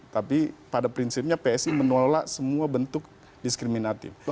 tapi pada prinsipnya psi menolak semua bentuk diskriminatif